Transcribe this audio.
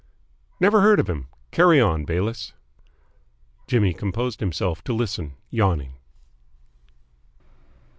"Never heard of him. Carry on, Bayliss." Jimmy composed himself to listen, yawning.